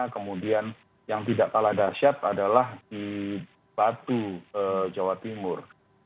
kemudian yang tidak kalah dasyat adalah di batu jawa timur